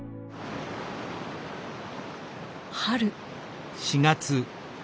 春。